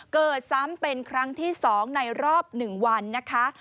เกิดซ้ำเป็นครั้งที่๒ในรอบ๑วันนะคะ